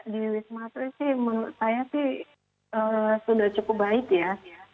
di wisma atlet sih menurut saya sih sudah cukup baik ya